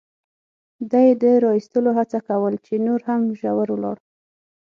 ده یې د را اېستلو هڅه کول، چې نور هم ژور ولاړ.